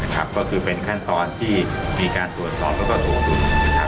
ครับก็คือเป็นขั้นตอนที่มีการตรวจสอบแล้วก็ถูกถูกครับ